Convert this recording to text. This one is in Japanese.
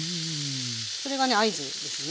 それがね合図ですね。